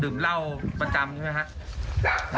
ดื่มเหล้าแล้วเป็นแบบนี้ตลอดไหม